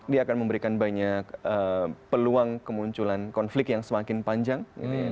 dia akan memberikan banyak peluang kemunculan konflik yang semakin panjang